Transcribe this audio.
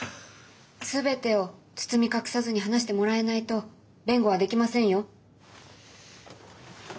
全てを包み隠さずに話してもらえないと弁護はできませんよ。